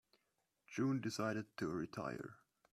June decided to retire.